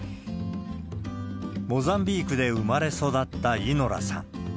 モザンビークで生まれ育ったイノラさん。